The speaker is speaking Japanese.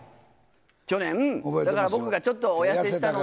去年、僕がちょっとお痩せしたので。